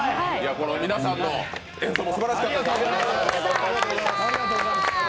皆さんの演奏もすばらしかった。